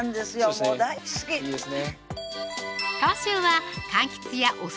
もう大好きいいですね